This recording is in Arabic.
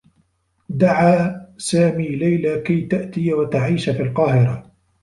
دعى سامي ليلى كي تأتي و تعيش في القاهرة.